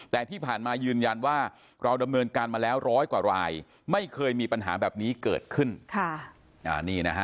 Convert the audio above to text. แต่ที่ผ่านมายืนยันว่าเราดำเนินการมาแล้วร้อยกว่ารายไม่เคยมีปัญหาแบบนี้เกิดขึ้น